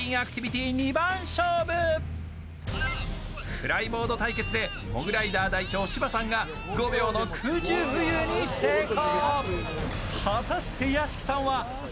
フライボード対決でモグライダー代表・芝さんが５秒の空中浮遊に成功。